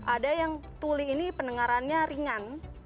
ada yang tuli ini pendengarannya ringan